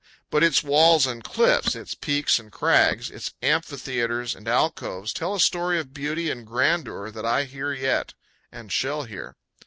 But its walls and cliffs, its peaks and crags, its amphitheaters and alcoves, tell a story of beauty and grandeur that I hear yet and shall hear.